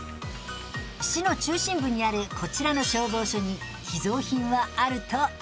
市の中心部にあるこちらの消防署に寄贈品はあるといいます。